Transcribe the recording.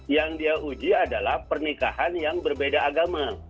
yang dia uji adalah pernikahan yang berbeda agama